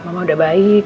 mama udah baik